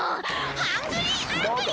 ハングリーアングリー！